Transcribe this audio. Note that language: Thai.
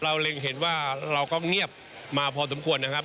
เล็งเห็นว่าเราก็เงียบมาพอสมควรนะครับ